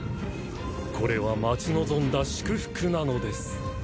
これは待ち望んだ祝福なのです。